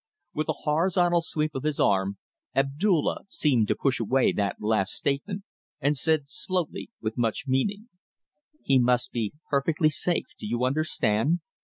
With a horizontal sweep of his arm Abdulla seemed to push away that last statement, and said slowly, with much meaning "He must be perfectly safe; do you understand?